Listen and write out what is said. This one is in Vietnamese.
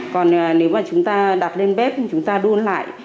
còn nếu mà chúng ta đặt lên bếp thì chúng ta đun lại